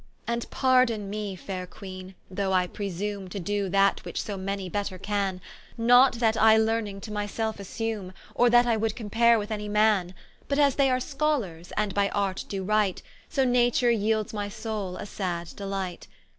And pardon me (faire Queene) though I presume, To doe that which so many better can; Not that I Learning to my selfe assume, Or that I would compare with any man: But as they are Scholers, and by Art do write, So Nature yeelds my Soule a sad delight.